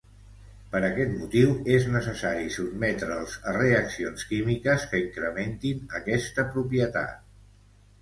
Per aquest motiu és necessari sotmetre'ls a reaccions químiques que incrementin aquesta propietat.